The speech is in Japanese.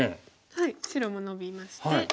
はい白もノビまして。